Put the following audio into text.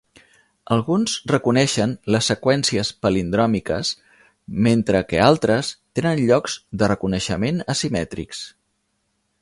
Alguns reconeixen les seqüències palindròmiques mentre que altres tenen llocs de reconeixement asimètrics.